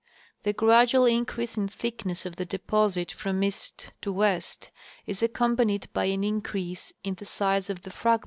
The gradual increase in thickness of the deposit from east to west is accompanied by an increase in the size of the fragments.